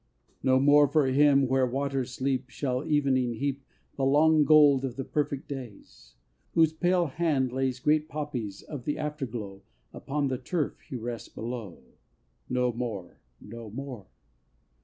II. No more for him where waters sleep, Shall Evening heap The long gold of the perfect days! Whose pale hand lays Great poppies of the afterglow Upon the turf he rests below. No more! no more!